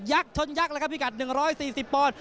ชนยักษ์แล้วครับพี่กัด๑๔๐ปอนด์